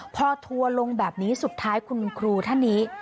พอทัวร์ลงแบบนี้สุดท้ายคุณครูท่านนี้